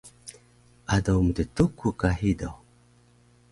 ado mttuku ka hido